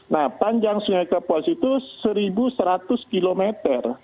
nah panjang sungai kapuas itu satu seratus kilometer